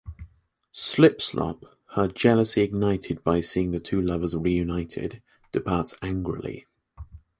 Slipslop, her jealousy ignited by seeing the two lovers reunited, departs angrily.